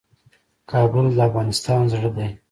کابل د افغانستان زړه دی